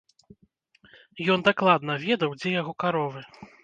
Ён дакладна ведаў, дзе яго каровы.